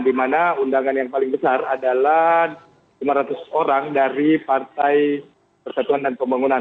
di mana undangan yang paling besar adalah lima ratus orang dari partai persatuan dan pembangunan